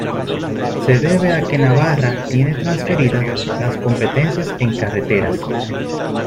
Se debe a que Navarra tiene transferidas las competencias en carreteras.